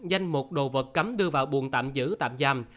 danh mục đồ vật cấm đưa vào buồn tạm giữ tạm giam